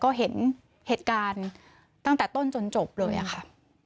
ก็เห็นเหตุการณ์ตั้งแต่ต้นจนจบเลยอะค่ะ